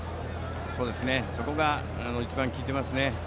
そこが一番効いていますね。